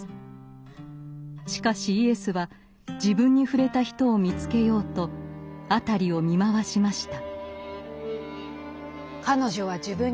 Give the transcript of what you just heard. しかしイエスは自分に触れた人を見つけようと辺りを見回しました。